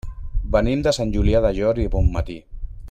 Venim de Sant Julià del Llor i Bonmatí.